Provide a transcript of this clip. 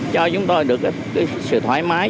cho chúng tôi được cái sự thoải mái